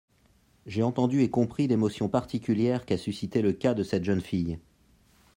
J’ai entendu et compris l’émotion particulière qu’a suscitée le cas de cette jeune fille.